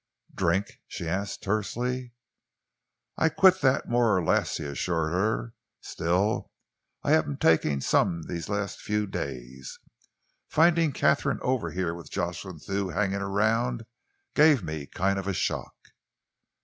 "Drink?" she asked tersely. "I've quit that more or less," he assured her. "Still, I have been taking some these last few days. Finding Katharine over here with Jocelyn Thew hanging around gave me kind of a shock."